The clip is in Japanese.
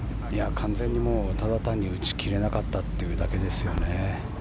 完全に、ただ単に打ち切れなかったというだけですよね。